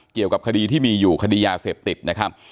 เกี่ยวกับคดีที่มีอยู่คดียาเสพติดนะครับ